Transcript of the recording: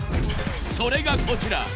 それがこちら。